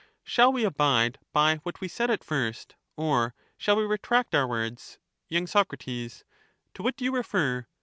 Shall we abide by what we said at first, or shall we retract our words ? y. Sac. To what do you refer